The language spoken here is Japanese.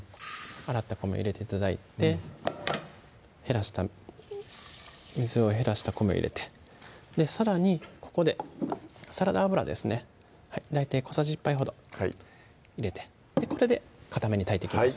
洗った米を入れて頂いて水を減らした米入れてさらにここでサラダ油ですね大体小さじ１杯ほど入れてこれでかために炊いていきます